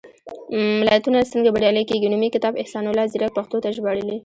ملتونه څنګه بریالي کېږي؟ نومي کتاب، احسان الله ځيرک پښتو ته ژباړلی.